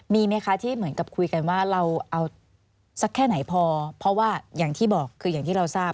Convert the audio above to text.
มีไหมคะที่เหมือนกับคุยกันว่าเราเอาสักแค่ไหนพอเพราะว่าอย่างที่บอกคืออย่างที่เราทราบ